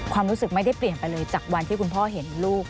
ความรู้สึกไม่ได้เปลี่ยนไปเลยจากวันที่คุณพ่อเห็นลูก